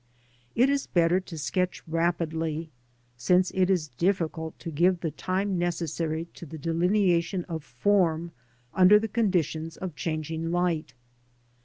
It is better to sketch rapidly, since it is difficult to give the time necessary to the delineation of form under the conditions of changing light.